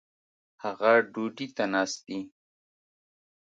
هغه ډوډي ته ناست دي